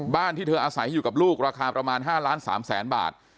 ที่เธออาศัยอยู่กับลูกราคาประมาณ๕ล้าน๓แสนบาท